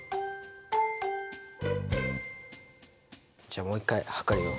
じゃあもう一回測るよ。